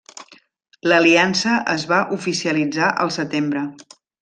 L'aliança es va oficialitzar al setembre.